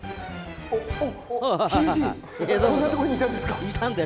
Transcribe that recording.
おっ、ヒゲじいこんなところにいたんですか。